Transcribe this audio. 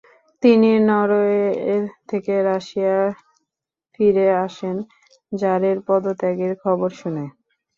তিনি নরওয়ে থেকে রাশিয়ায় ফিরে আসেন, জারের পদত্যাগের খবর শুনে।